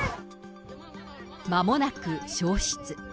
まもなく消失。